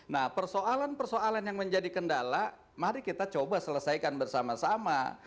nah persoalan persoalan yang menjadi kendala mari kita coba selesaikan bersama sama